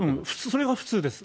それが普通です。